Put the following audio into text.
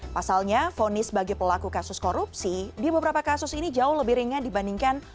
pasalnya fonis bagi pelaku kasus korupsi di beberapa kasus ini jauh lebih ringan dibandingkan